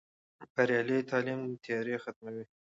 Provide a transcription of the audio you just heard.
بریالی تعلیم تیارې ختموي.